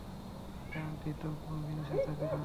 Guarantee তো কোন জিনিসের থাকে না।